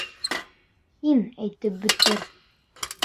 Һин әйтеп бөтөр.